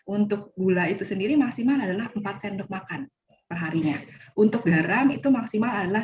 untuk gula itu sendiri maksimal adalah empat sendok makan perharinya untuk garam itu maksimal adalah